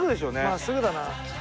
真っすぐだな。